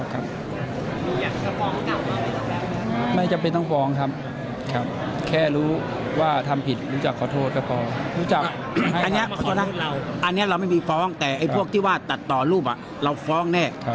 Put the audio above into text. ก็ออกมาขอโทษกัน